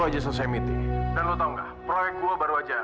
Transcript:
dan lu tau gak proyek gue baru aja